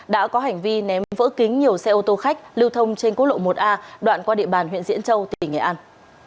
đã có hành vi ném vỡ kính nhiều xe ô tô khách lưu thông trên quốc lộ một a đoạn qua địa bàn huyện diễn châu tỉnh nghệ an